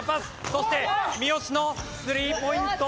そして三好のスリーポイント。